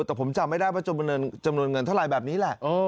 แต่ผมจำไม่ได้ว่าจำนวนเงินเท่าไหร่แบบนี้แหละ